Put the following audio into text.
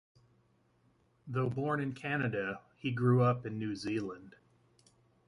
Though born in Canada, he grew up in New Zealand.